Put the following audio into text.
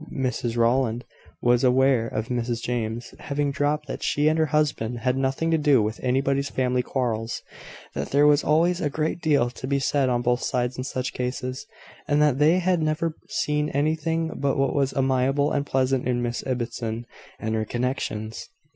Mrs Rowland was aware of Mrs James having dropped that she and her husband had nothing to do with anybody's family quarrels; that there was always a great deal to be said on both sides in such cases; and that they had never seen anything but what was amiable and pleasant in Miss Ibbotson and her connections.